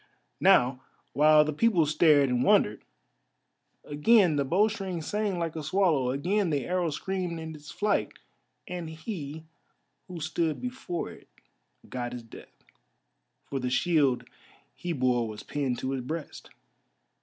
Now while the people stared and wondered, again the bowstring sang like a swallow, again the arrow screamed in its flight, and he who stood before it got his death, for the shield he bore was pinned to his breast.